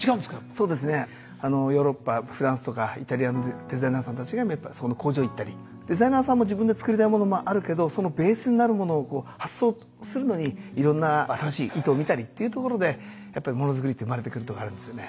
そうですねヨーロッパフランスとかイタリアのデザイナーさんたちが工場行ったりデザイナーさんも自分で作りたいものもあるけどそのベースになるものを発想するのにいろんな新しい糸を見たりというところでやっぱりものづくりって生まれてくるとこがあるんですよね。